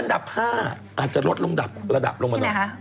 อันดับ๕อาจจะลดลงระดับลงมาหน่อย